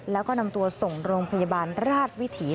แล้วก็นำตัวส่งโรงพยาบาลราชวิถี